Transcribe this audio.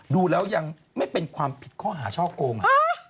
ดูแล้วยังไม่เป็นความผิดข้อหาช่อโกงอ่ะ